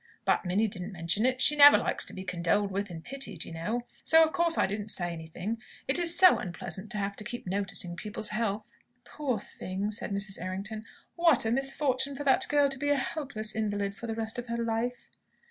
But Minnie didn't mention it. She never likes to be condoled with and pitied, you know. So of course I didn't say anything. It's so unpleasant to have to keep noticing people's health!" "Poor thing!" said Mrs. Errington. "What a misfortune for that girl to be a helpless invalid for the rest of her life!"